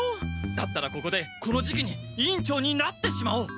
だったらここでこの時期に委員長になってしまおう！